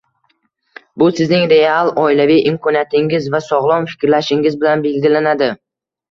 Bu sizning real oilaviy imkoniyatingiz va sog‘lom fikrlashingiz bilan belgilanadi.